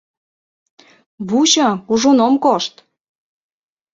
— Вучо, кужун ом кошт!